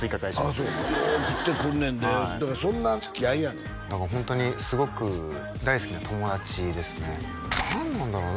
ああそうよう贈ってくるねんでだからそんなつきあいやねんだからホントにすごく大好きな友達ですね何なんだろう？